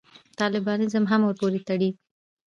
طالبانیزم هم ورپورې تړي.